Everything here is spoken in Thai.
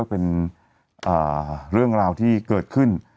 เป็นเรื่องราวที่เกิดขึ้น